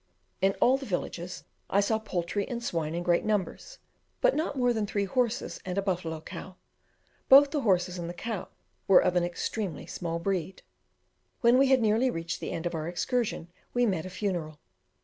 In all the villages I saw poultry and swine in great numbers, but not more than three horses and a buffalo cow; both the horses and the cow were of an extremely small breed. When we had nearly reached the end of our excursion, we met a funeral.